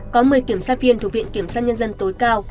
có một mươi kiểm soát viên thuộc viện kiểm soát nhân dân tối cao